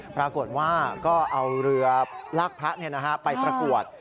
ปรากฏว่าก็เอาเรือลากพระไปประกวด